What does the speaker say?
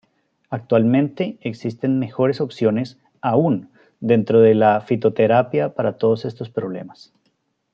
Actualmente existen mejores opciones aún dentro de la fitoterapia para todos estos problemas.